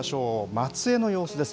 松江の様子です。